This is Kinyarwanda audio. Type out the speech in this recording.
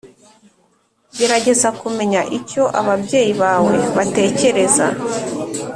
Gerageza kumenya icyo ababyeyi bawe batekereza